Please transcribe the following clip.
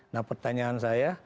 nah pertanyaan saya